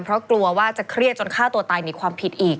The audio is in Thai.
เพราะกลัวว่าจะเครียดจนฆ่าตัวตายในความผิดอีก